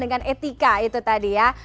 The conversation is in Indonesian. dengan etika itu tadi ya